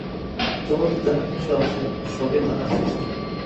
জগতে যাহা কিছু আছে, সবই তাঁহার সৃষ্টি।